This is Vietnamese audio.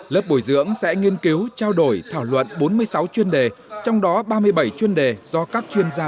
lớp bồi dưỡng sẽ nghiên cứu trao đổi thảo luận bốn mươi sáu chuyên đề trong đó ba mươi bảy chuyên đề do các chuyên gia